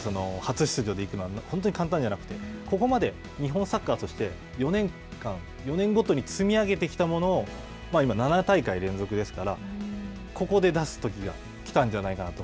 初出場で行くのは本当に簡単じゃなくて、ここまで日本サッカーとして、４年間、４年ごとに積み上げてきたものを今７大会連続ですから、ここで出すときが来たんじゃないかなと。